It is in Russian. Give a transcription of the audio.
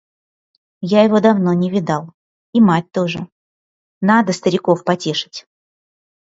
Я его давно не видал, и мать тоже; надо стариков потешить.